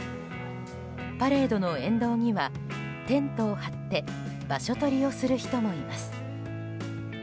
パレードの沿道にはテントを張って場所取りをする人もいます。